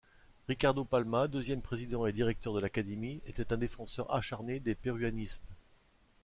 Ricardo Palma, deuxième président et directeur de l'académie, était un défenseur acharné des péruanismes.